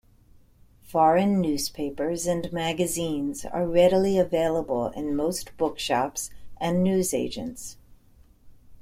Foreign newspapers and magazines are readily available in most bookshops and newsagents.